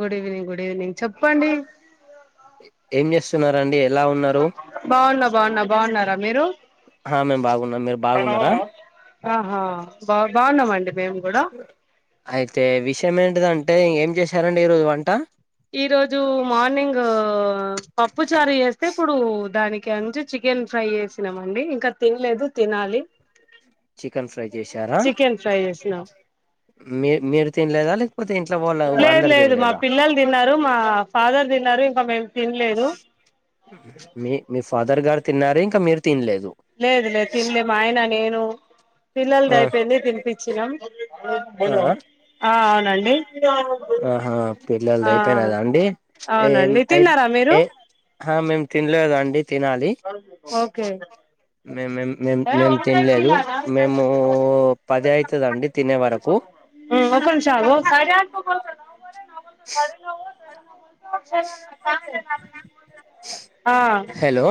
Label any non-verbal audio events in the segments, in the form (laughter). Good evening good evening చెప్ చెప్పండి ఏం చేస్తున్నరండి బాగున్నా బాగున్నా బాఉన్నారా మీరు ఆహా మేము బాగున్నాం మీరు బాగున్నారా ఆహా బా బాగున్నామండి మేము కూడా అయితే విషయం ఏంటి దం టేం ఏం చేశారండి ఈరోజు వంట ఈ రోజు మార్నింగ్ పప్పు చారు చేస్తే ఇప్పుడు దానికి అంచ చికెన్ ఫ్రై చేసినాండి ఇంకా తినలేదు తినాలి చికెన్ ఫ్రై చేశారా చికెన్ ఫ్రై చేసినాం మీ మీరు తంలేదాలి లేదు లేదు మా పిల్లలు తిన్నారు మా ఫాదర్ తిన్నారు ఇంకా మేము తినలేదు మీ మీ ఫాదర్ గారు తిన్నారు ఇంకా మీరు తినలేదు లేదు లేదు తినలే మా ఆయన నేను పిల్లల ఆ దైపోంది తినిపించినాం ఆ ఆ అవునండి ఆహా పిల్లలది ఆ అయిపోయినదా అండి ఏం అవునండి అయి తిన్నారా మీరు ఏ ఆ మేము తినలేదండి తినాలి ఓకే మే మే మేము ఒక తినలేదు మేము పది అవుతుందండి తినే వరకు ఒపంషాగ అరే అర చ హలో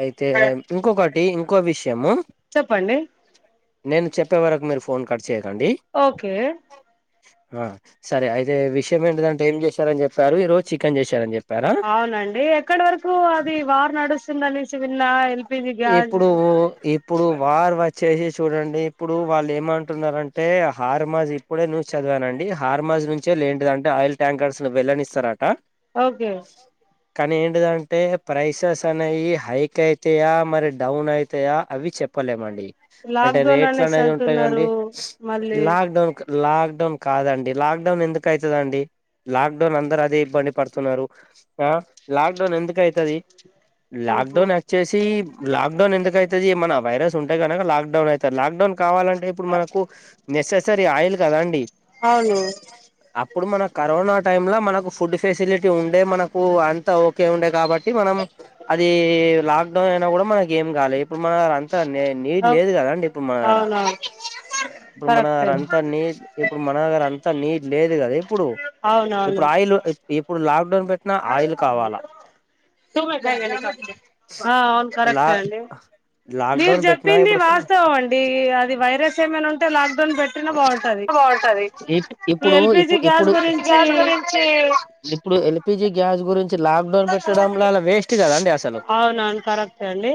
అయితే ఇంకొకటి ఇంకో విషయము చెప్పండి నేను చెప్పే వరకు మీరు ఫోన్ కట్ట ఓకే ఆ సరే అయితే విషయం ఏంటిదంటే ఏం చేశారని చెప్పారు ఈ రోజు చికెన్ చేశారని చెప్పారు అవునండి ఎక్కడి వరకు అది వారు నడుస్త తునది న్నా ఎల్పిపీజీ గ్యాస్ ఇప్పుడు ఇప్పుడు వార్ వచ్చేసి చూడండి ఇప్పుడు వాళ్ళు ఏమంటున్నంటే హార్మాజ్ ఇప్పుడే న్యూస్ చదివానండి హార్మాజ్ నుంచే లేంటిది అంటే ఆయిల్ ట్యాంకర్స్ ను వెల్ళనిస్తార ఓకే కానీ ఏ ఏంటి ప్రైసెస్ అనేవి హై ఎక్ అయితయా మరి డౌన్ అయితయా అవి చెప్పలేమండి అంటే లాక్డౌన్ రేట్లు అనేసి అనేది ఉంటాయిదండి అంటున్నారు మళ్ళీ లాక్ డౌన్ లాక్డౌన్ కాదండి లాక్డౌన్ ఎందుకు అవుతుదండి లాక్ డౌన్ అందరు అదే ఇబ్బంది పడుతున్నారు ఆ లాక్డౌన్ ఎందుకు అవుతుది ఆహా లాక్డౌన్ లాక్డౌన్ ఎందుకు అయితది ఏం అయిన వైరస్ ఉంటే కనక లాక్డౌన్ అయితే లాక్ డౌన్ కావాలంటే ఇప్పుడు మనకు నెససరీ ఆయిల్ కదా అండి అవును ఇప్పుడు మన కరోనా టైమ్ లో మనకు ఫుడ్ ఫెసిలిటీ ఉండే మనకు అంతా ఓకే ఉండే కాబట్టి మనం అది లా డ అయినా కూడా మనకి ఏం కాలేదు ఇప్పుడు మన అంత నీట్ లేదు కదాండి ఇప్పుడు మనగ అవునవును ఇప్పుడు మన కరెక్టే అంతా నీ ఇప్పుడు మనగర అంతా నీట్ లేదు గది ఇప్పుడు అవునవును ఇప్పుడు ఆయిల్ ఇప్పుడు లాక్డౌన్ పెట్టినా ఆయిల్ కావాలా ఆ అవును లా కరెక్ అండి మీరు లాక్డౌన్ పెట్టినా చెప్పింది ఇప్పుడు వాస్తవం అండి అది వైరస్ ఏమైనా ఉంటే లాక్డౌన్ పెట్ బాగుంటది ఈ ఎప్పుడు ఎల్పిజి గ్యాస్ ఇప్పుడు గ గురించి గురించి ఇప్పుడు వె గ్యాస్ గురించి లాడన్ పె వేస్ట్ కం అవునవును కరెక్టే అండి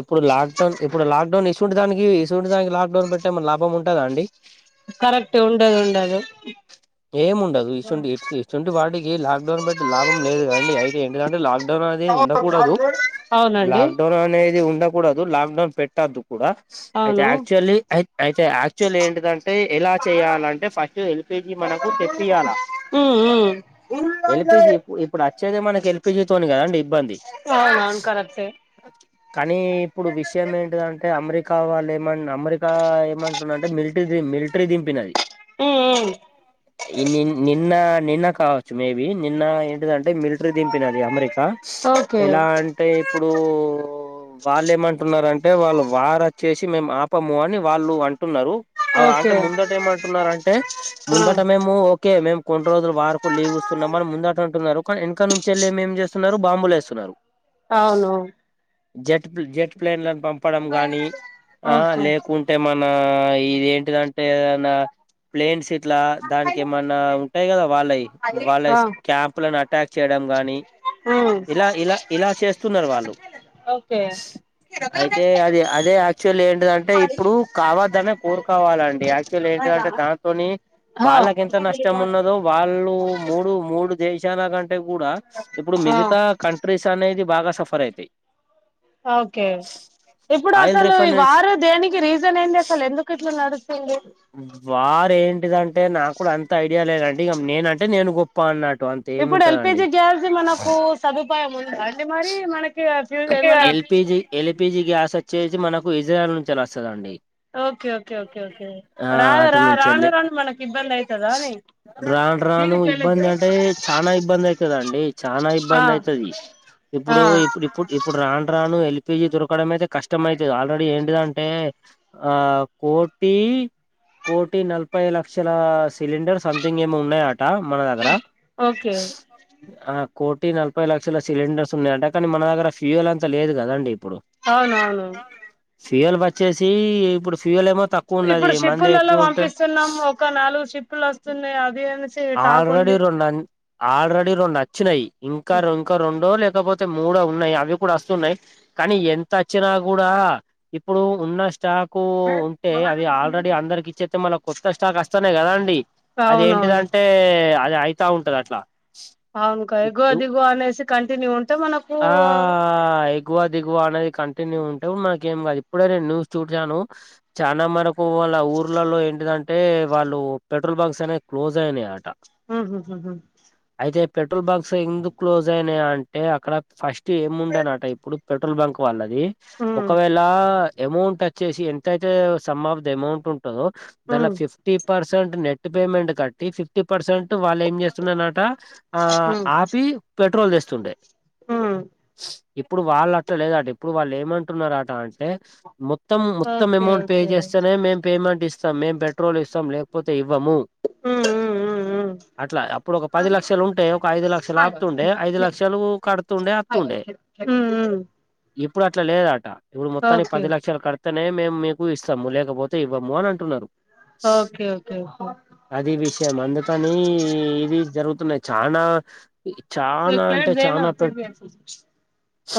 అప్పు లాడడు డ చూడ దానికి (unintelligible) లాక్ డౌన్ ఏమైనా లాంభం ఉంటదా అండి కరెక్ట్ ఉండదు ఉండదు ఎం ఉండదు ఇసు ఇసువంటి వాటికి లొక్ డౌన్ పెట్టి లాభం లేదు కదా అండి (unintelligible) లొక్ డౌన్ అది ఉండకూడదు అవునండి లొక్ డౌన్ అనేది ఉండ కూడదు లాక్ డౌన్ పెట్టదు కూడా అయితే అవును యాక్చువల్లీ అయితే యాక్చువల్లి ఏంటిది అంటే ఏదంటే ఎలా చెయాలంటే ఫస్ట్ ఎల్పిజీ మనకు తెప్పిించాల ఉమ్ ఉమ్ ఎల్పిజి ఇప్పుడు వచ్చేది మనకి ఎల్పిజితోోనే కదండి ఇబ్బంది అవునవును కరెక్టే కానీ ఇప్పుడు విషయం ఏంటిది అంటే అమెరికా వాళ్ళు అమెరికా ఏమంటున్నాంటే మిలిటరీ మిలిటరీ దింపినది ఉమ్ ఉమ్ ఈ ని నిన్న నిన్న కావచ్చు మేబి నిన్న ఏంటిదంటే అంటే మిలిటరీ దింపి నది అమెరికా ఓకే ఎలా అంటే ఇప్పుడు వాళ్ళు ఏమంటున్నారుంటే అంటే వాళ్ళు వార్ వచ్చేసి మేము ఆపము అని వాళ్ళు అంటున్నారు అంటే ఓకే ముందట ఏమంటున్నరంటే ఆ ముందట మేము ఓకే మేము రెండు రోజులు వరకు లీవ్ ఇస్తున్నాంమని ముందాడుంటున్నారు వెనక నుంచి వెళ్ళి ఎం చేస్తున్నారు బాంబులు వేస్తున్నారు అవును జెట్ జెట్ ప్లైన్ పంపడం గాని ఆ ఓకే లేకుంటే మనం నా ఇది ఏంటిదంటే నా ప్లేన్స్ ఇట్లా దానికి ఏమన్నా ఉంటాయి కదా వాళ్ళయి వాళ్ళయి ఆ క్యాంప్లు ఎటాక్ చేయడం గాని ఉమ్ ఇలా ఇలా ఇలా చేస్తున్నారు వాళ్ళు ఓకే అయితే అది అదే యాక్చువల్లి ఏంటదంటే ఇప్పుడు కావద్దనే కోరుకోవాలండి యాక్చువల్లి ఏంటిదంటే దాంతోని హ వాళ్ళకి ఎంత నష్టం ఉన్నదో వాళ్ళు మూడు మూడు దేశాలకంటే అంటే కూడా ఇప్పుడు ఆ మిగతా కంట్రీస్ అనేది బాగా సఫర్ అయితాయి ఓకే ఇప్పుడు ఆయిల్ అసలు రిఫైనరీస్ వార్ దేనికి రీజన్ ఏంది అసలు ఎందుకు ఇట్లా నడుస్తుంది వారేం అంటే నాకు కూడా అంత ఐడియా లేదండి ఇక నేనంటే నేను గొప్ప అన్నా ఇప్పుడు ఎల్పిజి గ్యాస్ మనకు సదుపాయం ఉందా అంటే మరి మనకి ఫ్యూ ఏమన్నా ఎల్పిిజి ఎల్పిిజి గ్యాస్ వచ్చేసి మనకు ఇజ్రాయల్ నుంచిలా వస్తుందండి ఓకే ఓకే ఓకే ఓకే రాను అటు రా రాను నుంచెల్లి రాను మనకి ఇబ్బంది అయితదానే రాను రాను ఇబ్బంది అంటే చానా ఇబ్బంది అయితదండి చానా ఇబ్బంది అయితది అఆ ఇప్పుడు ఇప్పుడు ఇప్పుడు ఇప్పుడు రాను రాను ఎల్పిజి దొరకడం అయితే కష్టం అైతుది ఆల్రెడీ ఏంటిదింటే ఆ కోటి కోటి నలభై లక్షల సిలిండర్ సంథింగ్ ఏమి ఉన్నాయాట ఆ మనదగరా ఓకే అ కోటి నలభై లక్షల సిలిండర్స్ ఉన్నాయి అంట కానీనగ్గర ఫ్యూల్ అంతా లేదు కదండి అవునవును ఫ్యూవల్ వచ్చేసి ఇప్పుడు ఫ్యూవల్ ఏమ ఇప్పుడు షిప్పులలో పంపిస్తున్నాము ఒక నాలుగు షిప్పులు వస్తున్నాయి అది టాక్ ఆల్రెడీ ఉంది రెండు ఆల్రెడీ రెండు నచ్చినాయి ఇంకా ఇంకా రెండో లే కపోతే మూడ ఉన్నాయి అవి కూడా వస్తున్నాయి కానీ ఎంత వచ్చినా కూడా ఇప్పుడు ఉన్న స్టాఫ క్ ఉంటే అవి ఆల్రెడీ అందరికి ఇచ్చేతే మళ్ కస్టా కస్టానే కదా అండి అది అవునవును ఏంటిదంటే అది అయితా ఉంటది అట్లా అవునుకా ఎగో దిగుో అనేసి కంటిన్యూ ఉంటే మనకు ఆ ఎగువ దిగువ అనేది కంటిన్యూ ఉంటే నాకేం కాదు ఇప్పుడే నేను న్యూస్ చూడచాను చాలా మరకు వాళ్ళ ఊర్లలో ఏంటిదంటే వాళ్ళు పెట్రోల్ బంక్స్ అనే క్లోజ్ సేనే ఆట ఆ ఇదే పెట్టు ట్రో బాక్స్ ఎందు క్లోజ్ అయినాయా అంటే అంటే అక్కడ ఫస్ట్ ఏం ఉండేనట ఇప్పుడు పెట్రోల్ బంక్ వాళ్ళది ఉమ్ ఒకవేళ అమౌంట్ వచ్చేసి ఎంతయితే సమాప్ ది అమౌంట్ ఉంటు దాన్ ఉమ్ లోఫిఫ్టీ పర్స సట్ క net payment cut fifty percent వాళ్ళు ఏం చేస్తున్నన్నట ఆ ఆపి పెట్రోల్ తెస్తుండే ఆ ఇప్పుడు వాళ్ళు అట్లా లేదట ఇప్పుడు వాళ్ళు ఏమంటున్నారుట అంటే మొత్తం మొత్తం ఓకే అమౌంట్ పే ఓకే చేస్తేనే మేం పేమెంట్ ఇస్తా స మేం పెట్రోల్ ఇస్తాం లేకపోతే ఇవ్వము ఉమ్ ఉమ్ ఉమ్ ఉమ్ అట్లా అప్పుడు ఒక పది లక్షలు ఉంటే ఒక ఐదు లక్షలు ఆపుతుండే ఐదు లక్షలు కడుతుండే అత్తుండే ఉమ్ ఉమ్ ఇప్ ఇప్పుడు అట్లా లేదట ఇప్పుడు మొత్తానికి ఓకే పది లక్షలు కడిత్ ఇతనే మేము మీకు ఇస్తాము లేకపోతే ఇవ్వము అని అంటున్నారు ఓకే ఓకే ఓకే అది విషయం అందుకని ఇది జరుగుతున్నాయి చానా చానా ఏక్ అంటే ప్లేట్ దేనా చానా తూ పెట్ భీ ఐసే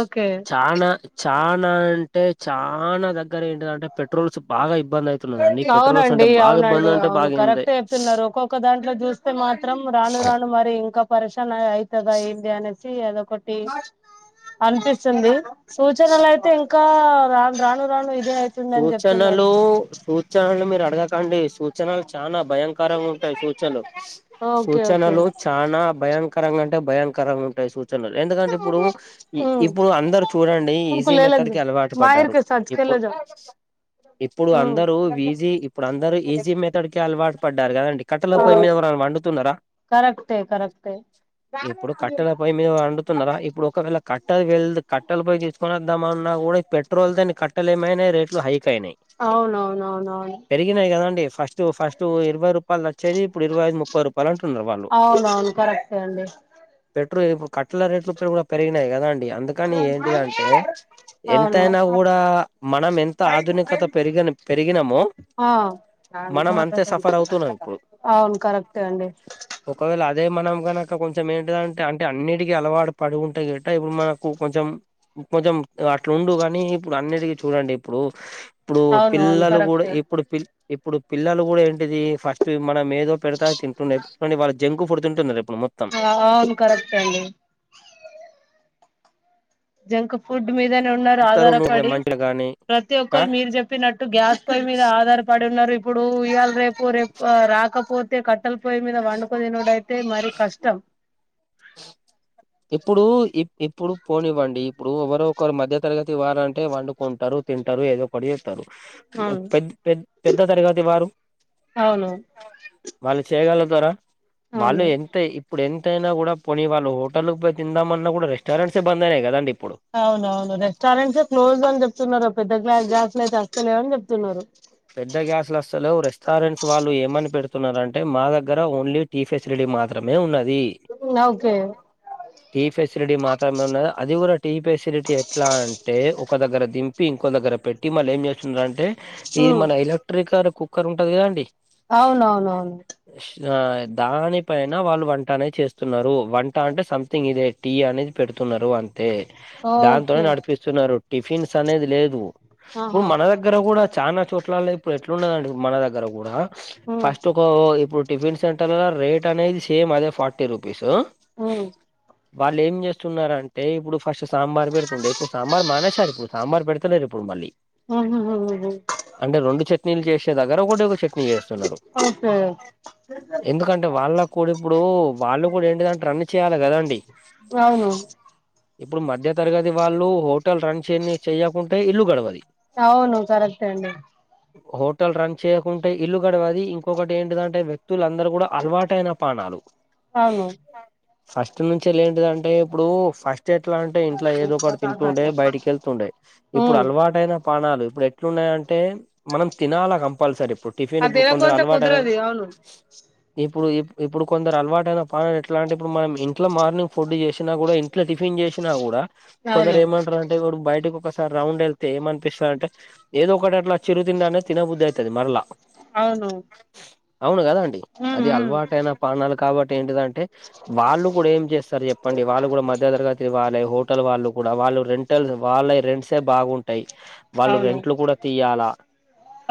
ఓకే చానా చానా అంటే చానా దగ్గర ఏంటిదంటే పెట్రోల్స్ బాగా ఇబ్బంది అయితున్నదండి పెట్రోల్స్ అంటే బారత్ బంద్ అంటే బాయింగుతాయి తున్నారు ఒక్కొక్క దాంట్లో చూస్తే మాత్రం రాను రాను మరి ఇంకా పరేషాన్ శాన్ అయితదా ఎందే అనేది చేయ్ అదోకటి అనిపిస్తుంది శూచనలయితే కా రాను రాను రాను ఇప్ ఇదే అయితుందని చెప్తున్నారు సూచనలు సూచనలు మీర్ అడగకండి సూచనలు చానా భయంకరంగా ఉంటాయి సూచలు ఓకే ఓకే సూచనలు చానా భయానకరంగా అంటే భయాన్కరంగా ఉంటాయి సూ తనరు ఎందుకంటే ఇప్పుడు ఉమ్ ఇప్పుడు అందరు చూడండి ఈజీ మెథడ్ కి అలవాటు పడ్డారు ఇప్పుడు ఇప్పుడు అందరూ వీజీ ఇప్పుడు అందరూ ఈజీ మెథడ్ కి అలవాట్ పడ్డారు కదండి కట్టల పొ మీద వండుతున్నరా కరెక్టే కరెక్టే ఇప్పుడు కట్టెల పై మీద వండుతున్నరా ఇప్పుడు ఒకవేళ కట్ ట్టది వెళ్దు కట్టలు పోయి తీసుకునివద్దామ అన్నా కూడా పెట్రోల్ దని కట్టలే ఏమైనా నయి రేట్లు హై కయినాయి అవునవునవునవును పెరిగినయి కదాండి ఫస్ట్ ఫస్ట్ ఇరవై రూపాయలు వచ్చేది ఇప్పు ఇవైఐ ముప్పై రూపాయలు అంటు న్ అవున అవును కరెక్టే అండి రేపు కట్టల రేట్లు కూడా పెరిగినయి కదండి యి అందుకని ఏంటిదంటే అవును ఎంతైనా కూడా మనం ఎంత ఆధునికత పెరిగన పెరిగినామో ఆ మనం అంతే సఫర్ అవుతున్నాం ఇప్పుడు అవును కరెక్టే అండి ఒకవేళ అదే మనం కనక్ ఇంక కొంచెం ఏంటి అంటే అంటే అన్నిటికీ అలవాటు పడి ఉంటాయి గట ఇప్పుడు మనకు కొంచెం కొంచెం అట్లు ఉండుగాని ఇప్పుడు అన్నిటికి చూడండి ఇప్పుడు ఇప్పుడు అవును అవును పిల్లలు కూడా కరెక్టే ఎప్పుడు పి ఎప్ ఇప్పుడు పిల్లలు కూడా ఏంటిది ఫస్ట్ది మనం ఏదో పెడతా తింటుండే కాని వాళ్ళు జంకు ఫూడ్ తింటున్నరీ. ఆఅవును కరెక్ట్ అండి. జంక్ ఫుడ్ మీద ఉన్నారు చెప్తారు నువ్వు ఆధారపడి మంచిగా గాని ప్రతి ఆ ఒక్కరు మీరు చెప్పినట్టు గ్యాస్ పై మీద ఆధారపడి ఉన్నారు ఇప్ ఇప్పుడు ఈయల రేపు రేపు రాకపోతే వత్తె కట్టల కట్టల పొయ్య మీద వండుకొనితినోడు అయితే మరీ కష్టం ఇప్పుడు ఇప్ ఇప్పుడు పోనివ్వండి. ఇప్పుడు ఎవరో ఒకరు మధ్య తరగతి వారంటే వాండుకొంటారు తింటారు ఏదో ఒకటి చేస్ స్తారు అవును పెద్ పేద్ పెద్ద తరగతి వారు అవును వాళ్ళు చేయగలగ్ తార వాళ్ళు అవును ఎంత ఇప్పుడు ఎంత ఎంతైనా కూడా పోని వాల్లు ఒడ్తే హోటల్కి పోయి తిందామన్న కూడా రెస్టారెంట్సే బంద అయినయి కదండి. ఇప్పుడు అవునవును రెస్టారెంట్స్ క్లోజ్ అని చెప్ చున్నారు ఆప్ పెద్ద గ్యాస్ గ్యాస్లైతే అస్ వస్తలేవని చెప్తున్నారు. పెద్ద గ్యాస్ లొస్తలేవు రెస్టారెంట్స్ వాళ్ళు ఏమని పెడుతున్నారంటే మా దగ్గర ఓన్లీ టీ ఫెసిలిటీ మాత్రమే ఉన్నది. ది ఓకే టీ ఫెసిలిటీ మాత్రమే ఉన్నది అది కూడ టీ ఫెసిలిటీ ఎట్లా అంటే ఒక దగ్గర దిం దింపి ఇంకో దగ్గర పెట్టి మళ్ళ ఏం చేస్తున్నారంటే అంటే ఇది ఉమ్. మన ఎలక్ట్రిక్ కారు కుక్కరుంటది కదా అండి. అవునవునవును. ఆ దానిపైన వాళ్ళు వంట అనేది చేస్తున్నారు వంట అంటే సంమ్థింగ్ ఇదే టీ అనేది పెడుతున్నారు అంతే తే దాంతోనే ఓకే నడిపిస్తున్నారు టిఫిన్స్ అనేది లేదు ఇప్పుడు ఆహా మన దగ్గర కూడ చాన చోట్లల్లో ఇప్పుడు ఎట్లున్నదంటే మన దగ్గర కూడా ఉమ్, ఫస్ట్ ఒక ఇప్పుడు టిఫిన్ సెంటర్ లలో రేట్ అనేది సేమ్ అదే ఫార్టీ రూపీస్ ఉమ్ వాళ్ళు ఏం చేస్తున్నారంటే ఇప్పుడు ఫస్ట్ సాంబార్ పెడుతుండే ఇప్పుడు సాంబార్ మానేశారు ఇప్పుడు సాంబార్ పెడుత లేరు ఇ ఇప్పుడు మళ్ళి ఉహుహుహుమ్ అంటే రెండు చట్నీలు చే సే దగ్గర ఒకటే ఒక చట్నీ చేస్తున్నారు ఓకే ఎందుకంటే వాళ్ళకు కూడ ఇప్పుడు వాళ్ళు కూడ ఏంటి దంటే రన్ చేయాలి కదా అండి అవును ఇప్పుడు మధ్య తరగతి వాళ్ళు హోటల్ రన్ చేయనే చేయకుంటే ఇల్లు గడవది అవును కరక్టే అండి హోటల్ రన్ చేయకుంటే ఇల్లు గడవది, ఇంకొకటి ఏంటి‌దంటే వ్య క్తులందరు కూడ అలవాటైన పాణాలు అవును ఫస్ట్ నుంచి ఏంటిదంటే అంటే ఇప్పుడు ఫస్ట్ నుం చే ఎట్లా అంటే ఇంట్లో ఏదో ఒకటి తింటుండే బయటికి వెళ్తుండే ఇప్పుడు ఉమ్. అలవాటైన పాణాలు ఇప్పుడు ఇంట్లున్నాయం టే మనం తినాలా కంపల్సరీ ఇప్పుడు టిఫిన్ అది ఇప్పుడు కొందరు తినకుంటే అలవాటు అయినాంక కుదరదు అవును ఇప్పుడు ఇప్పుడు కొందరు అలవాటైన పాణాలు ఎట్లాంటే ఇప్పుడు మనం ఇంట్లో మార్నింగ్ ఫుడ్ చేసినా కూడ ఇంట్లో టిఫిన్ చేసినా కూడా అవును కొందరు ఏమంటున్నరంటే ఇప్పుడు బయటకు ఒకసారి రౌండ్ వెళ్తే ఏమనిపిస్తార అంటే ఏదో ఒకటి లా చిరు తిడానే తిన బుధ అవుతది మర్లా అవును అవును కదా అండి ఉమ్, అది ఉమ్. అలవాటైన పాణాలు కాబట్టి దేంటో దాం తే వాళ్ళు కూడా ఏం చేస్తారు చెప్పండి వాళ్ళు కూడా మధ్య తరగాతి వాలే హోటల్ వాళ్ళు కూడా వాళ్ళు రెంట్ల్ వాళ్ళ రెంట్స్సె బాగుంటాయి వాళ్ళు అవును రెంట్లు కూడా తీయాల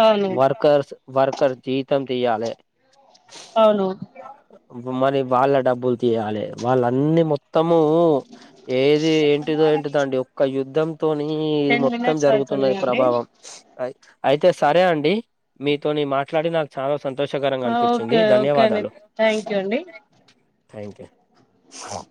అవును వర్కర్స్ వర్కర్ జీతం తీయాలి అవును మరి వాళ్ళ డబ్బులు తీయాలి వాళ్ళన్ని మొత్తం మొత్తము ఏది ఏంటిదో ఏంటిదొ అండి ఒక్క యుద్ధంతోని ఇది టెన్ మొత్తం మినిట్స్ అవుతుంది జరుగుతున్నది అండి ప్రభావం అయితే సరే అండి మీతోని మాట్లాడి నాకు చాలా సంతోషకరంగా అనిపించింది ఓకే ఓకే అండి ధన్యవాదాలు థ్యాంక్ యూ అండి థ్యాంక్ యూ హ